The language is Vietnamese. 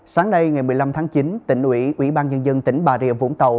sáng nay ngày một mươi năm tháng chín tỉnh ủy ủy ban nhân dân tỉnh bà rịa vũng tàu